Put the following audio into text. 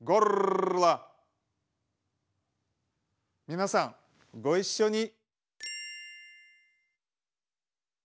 皆さんご一緒に。